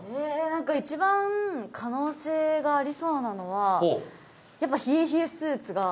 なんか一番可能性がありそうなのはやっぱ冷え冷えスーツが。